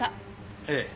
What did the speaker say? ええ。